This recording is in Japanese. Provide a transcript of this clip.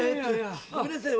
ごめんなさい